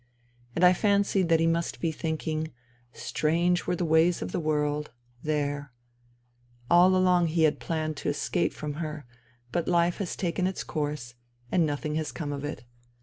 And I fancied that he must be thinking : Strange were the ways of the world : there ! all along he had planned to escape from her — but life has taken its course, and nothing has come of it.